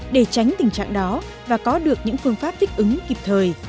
để tránh tình trạng đó và có được những phương pháp thích ứng kịp thời